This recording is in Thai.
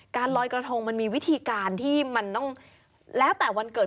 ลอยกระทงมันมีวิธีการที่มันต้องแล้วแต่วันเกิด